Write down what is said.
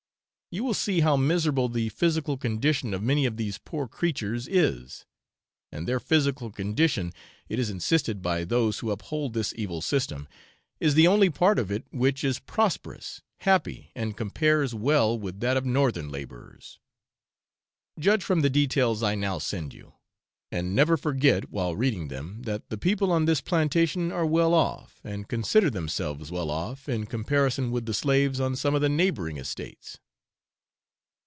You will see how miserable the physical condition of many of these poor creatures is; and their physical condition, it is insisted by those who uphold this evil system, is the only part of it which is prosperous, happy, and compares well with that of northern labourers. Judge from the details I now send you; and never forget, while reading them, that the people on this plantation are well off, and consider themselves well off, in comparison with the slaves on some of the neighbouring estates.